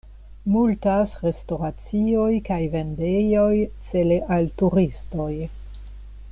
Multas restoracioj kaj vendejoj cele al turistoj.